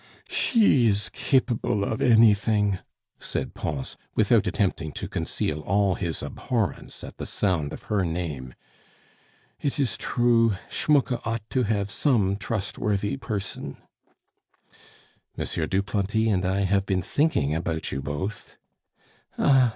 "She is capable of anything!" said Pons, without attempting to conceal all his abhorrence at the sound of her name. "It is true, Schmucke ought to have some trustworthy person." "M. Duplanty and I have been thinking about you both " "Ah!